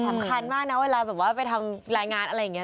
สำคัญมากนะเวลาแบบว่าไปทำรายงานอะไรอย่างนี้